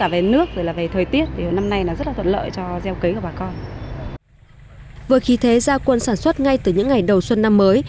vừa khí thế gia quân sản xuất ngay từ những ngày đầu xuân năm mới